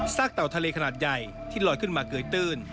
เต่าทะเลขนาดใหญ่ที่ลอยขึ้นมาเกยตื้น